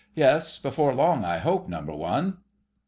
"Yes, before long, I hope, Number One."